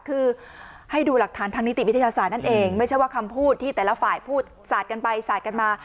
คือให้ดูหลักฐานทางนิติวิทยาศาสตร์นั่นเองไม่ใช่ว่าคำพูดที่แต่ละฝ่ายพูดสาดกันไปสาดกันมา